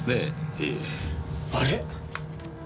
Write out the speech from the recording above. ええ。あれ！？